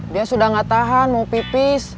dia sudah nggak tahan mau pipis